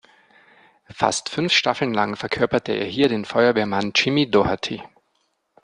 Fast fünf Staffeln lang verkörperte er hier den Feuerwehrmann Jimmy Doherty.